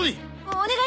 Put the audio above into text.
お願いね。